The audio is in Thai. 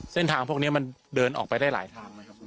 เส้นทางพวกนี้มันเดินออกไปได้หลายทางไหมครับ